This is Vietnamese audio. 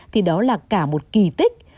thì đó là cả một kỳ tích